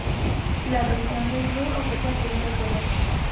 La Región del Ruhr ocupa el primer puesto.